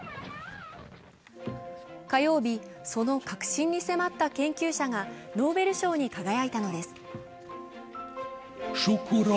火曜日、その核心に迫った研究者がノーベル賞に輝いたのです。